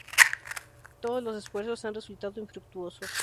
Todos los esfuerzos han resultado infructuosos.